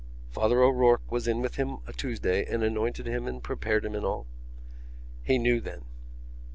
"Father O'Rourke was in with him a Tuesday and anointed him and prepared him and all." "He knew then?"